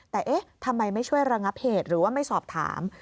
แต่เอ๊ะทำไมไม่ช่วยระงับเหตุหรือว่าไม่สอบถาม